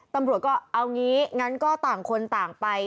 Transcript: ตำรวจก็เอางี้งั้นก็ต่างคนต่างไป